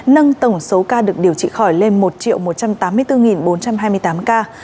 nâng tổng số ca được điều trị khỏi lên một một trăm tám mươi bốn bốn trăm hai mươi tám ca